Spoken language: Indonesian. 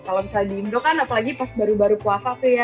kalau misalnya di indo kan apalagi pas baru baru puasa tuh ya